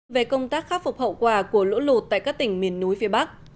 về công tác khắc phục hậu quả của lũ lụt tại các tỉnh miền núi phía bắc